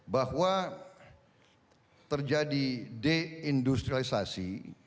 bahwa terjadi deindustrialisasi